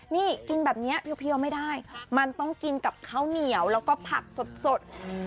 นี่กินแบบนี้เพียวไม่ได้มันต้องกินกับข้าวเหนียวแล้วก็ผักสด